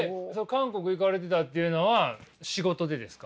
韓国行かれてたっていうのは仕事でですか？